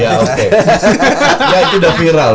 ya oke ya itu udah viral